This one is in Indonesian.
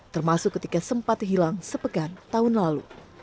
termasuk ketika sempat hilang sepekan tahun lalu